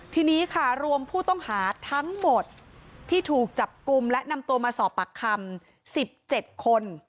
ทีนี้ค่ะรวมผู้ต้องหาทั้งหมดที่ถูกจับกลุ่มและนำตัวมาสอบปากคำ๑๗คน